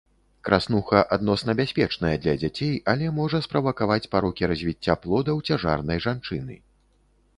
Краснуха адносна бяспечная для дзяцей, але можа справакаваць парокі развіцця плода ў цяжарнай жанчыны.